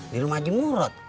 di rumah aja murad